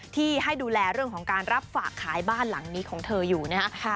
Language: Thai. ที่ให้ดูแลเรื่องของการรับฝากขายบ้านหลังนี้ของเธออยู่นะครับ